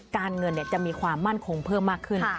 การเงินจะมีความมั่นคงเพิ่มมากขึ้น